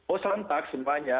oh sentak semuanya